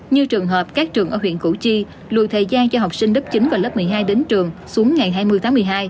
như trường hợp các trường ở huyện củ chi lùi thời gian cho học sinh lớp chín và lớp một mươi hai đến trường xuống ngày hai mươi tháng một mươi hai